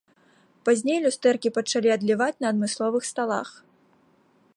Пазней люстэркі пачалі адліваць на адмысловых сталах.